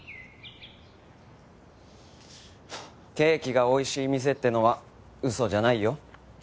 ケーキがおいしい店ってのは嘘じゃないよ。